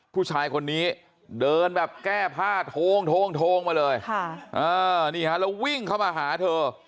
ผู้ชายคนนี้เดินแบบแก้ผ้าโทงมาเลยนี่ฮะแล้ววิ่งเข้ามาหาเธอ